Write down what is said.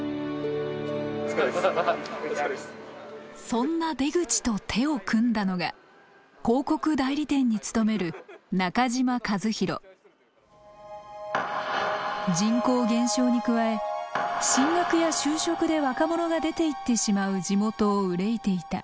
そんな出口と手を組んだのが人口減少に加え進学や就職で若者が出ていってしまう地元を憂いていた。